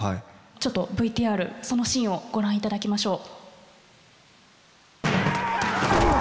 ちょっとＶＴＲそのシーンを御覧いただきましょう。